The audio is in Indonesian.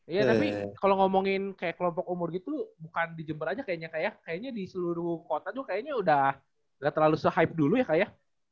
iya tapi kalau ngomongin kayak kelompok umur gitu bukan di jember aja kayaknya di seluruh kota juga kayaknya udah gak terlalu su hype dulu ya kak ya